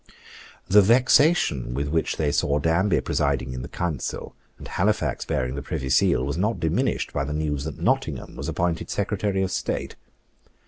The vexation with which they saw Danby presiding in the Council, and Halifax bearing the Privy Seal, was not diminished by the news that Nottingham was appointed Secretary of State.